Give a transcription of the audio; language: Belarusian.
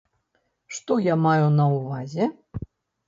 Што я маю на ўвазе?